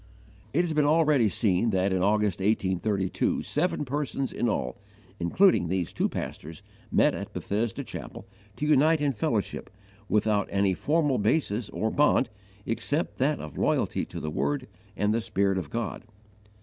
It has been already seen that in August, 1832, seven persons in all, including these two pastors, met at Bethesda Chapel to unite in fellowship, without any formal basis or bond except that of loyalty to the Word and Spirit of God.